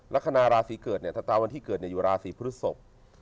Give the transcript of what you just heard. ละคณาราศีเกิดถ้าตามนที่เกิดอยู่ละศีพฤษิ